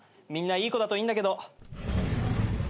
みんないい子だといいんだけど。